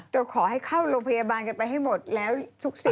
ขอให้เข้าโรงพยาบาลกันไปให้หมดแล้วทุกสิ่ง